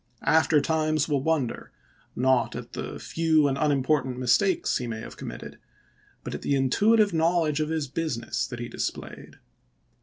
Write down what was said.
After times will wonder, not at the few and unimportant mistakes he may have committed, but at the intui tive knowledge of his business that he displayed.